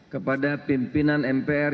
kepada pimpinan mpr